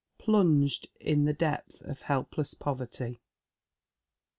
"plunged in the depth of helpless povestt."